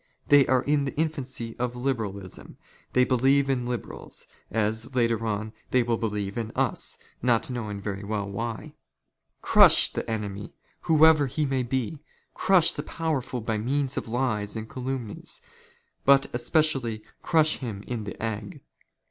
They are in the infancy of liberalism ; they believe in liberals, " as, later on, they will believe in us, not knowing very well why. " Crush the enemy whoever he may be ; crush the powerful " by means of lies and calumnies ; but especially crush him in the " egg.